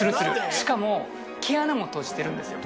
しかも毛穴も閉じてるんですよ。